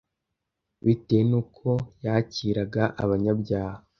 bitewe n’uko yakiraga abanyabyaha